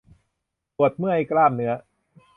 ปวดเมื่อยกล้ามเนื้อ